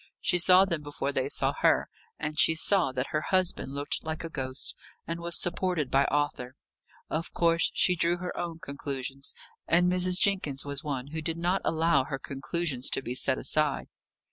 She saw them before they saw her, and she saw that her husband looked like a ghost, and was supported by Arthur. Of course, she drew her own conclusions; and Mrs. Jenkins was one who did not allow her conclusions to be set aside.